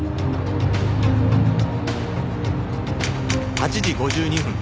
８時５２分